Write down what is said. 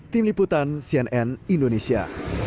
tim liputan cnn indonesia